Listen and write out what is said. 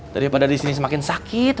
daripada disini semakin sakit